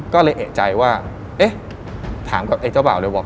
ก็เลยเอกใจว่าเอ๊ะถามกับไอ้เจ้าบ่าวเลยบอก